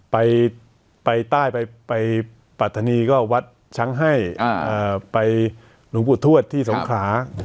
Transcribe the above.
ไปไปใต้ไปไปปรัฐนีก็วัดชั้งให้อ่าไปหลวงบุตรทวดที่สงครา